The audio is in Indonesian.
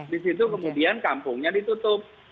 di situ kemudian kampungnya ditutup